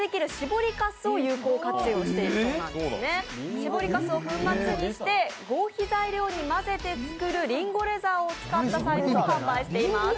搾りかすを粉末にして合皮材料に混合して作るりんごレザーを使った財布を販売しています。